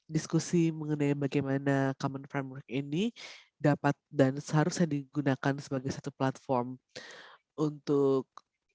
diskusi mengenai bagaimana common framework ini dapat dan seharusnya digunakan sebagai satu platform untuk